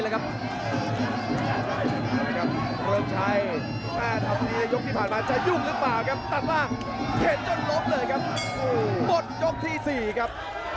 เรืองชัยในยกที่ผ่านมาจะยุ่งหรือเปล่าครับตัดล่างเข็นจนลบเลยครับ